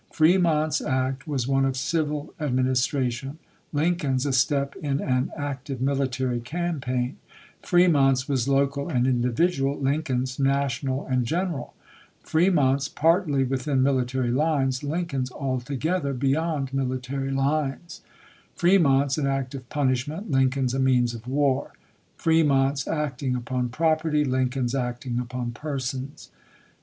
Fre mont's act was one of civil administration, Lin coln's a step in an active military campaign; Fremont's was local and individual, Lincoln's na tional and general ; Fremont's partly within mili tary lines, Lincoln's altogether beyond military lines; Fremont's an act of punishment, Lincoln's a means of war ; Fremont's acting upon property, Lincoln's acting upon persons.